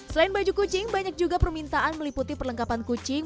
selain baju kucing banyak juga permintaan meliputi perlengkapan kucing